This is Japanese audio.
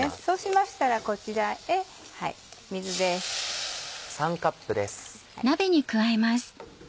そうしましたらこちらへ水です。